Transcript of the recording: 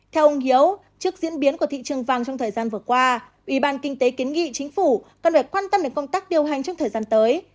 theo ông hiếu trước diễn biến của thị trường vàng trong thời gian vừa qua ủy ban kinh tế kiến nghị chính phủ cần phải quan tâm đến công tác điều hành trong thời gian tới